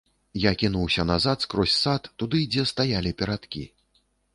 Я кінуўся назад, скрозь сад, туды, дзе стаялі перадкі.